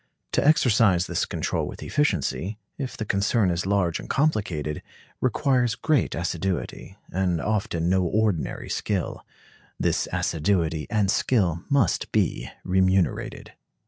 To exercise this control with efficiency, if the concern is large and complicated, requires great assiduity, and often no ordinary skill. This assiduity and skill must be remunerated.